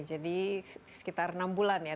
jadi sekitar enam bulan ya